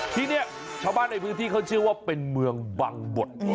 ที่นี่ชาวบ้านในพื้นที่เขาเชื่อว่าเป็นเมืองบังบด